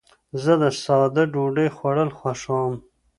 زه د ساده ډوډۍ خوړل خوښوم.